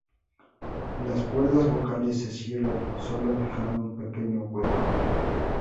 Las cuerdas vocales se cierran, solo dejando un pequeño hueco.